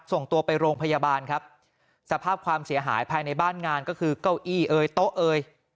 ส่งตัวไปโรงพยาบาลครับสภาพความเสียหายภายในบ้านงานก็คือเก้าอี้เอ่ยโต๊ะเอ่ย